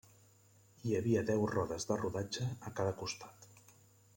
Hi havia deu rodes de rodatge a cada costat.